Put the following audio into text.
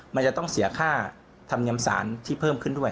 มันจะต้องเสียค่าธรรมเนียมสารที่เพิ่มขึ้นด้วย